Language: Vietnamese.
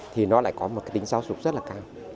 thì nó lại có một cái tính giáo dục rất là cao